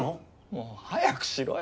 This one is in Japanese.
もう早くしろよ！